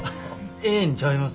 ええんちゃいます？